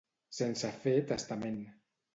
Sense fer testament.